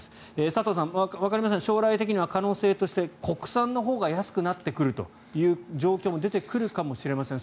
佐藤さん、わかりませんが将来的には可能性として国産のほうが安くなってくるという状況も出てくるかもしれません。